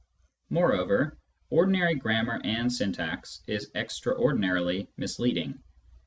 Moreover, ordinary grammar and syntax is extraordinarily misleading.